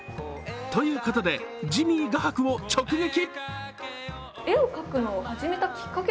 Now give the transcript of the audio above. ということで、ジミー画伯を直撃。